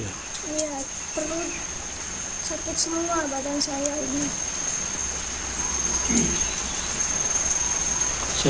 iya perlu sakit semua badan saya ini